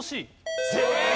正解！